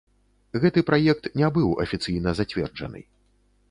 Гэты праект не быў афіцыйна зацверджаны.